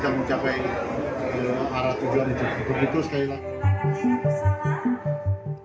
arah tujuan untuk berikut sekali lagi